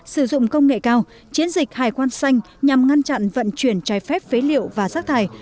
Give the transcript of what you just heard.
sử dụng công nghệ cao chiến dịch hải quan xanh nhằm ngăn chặn vận chuyển trái phép phế liệu và rác thải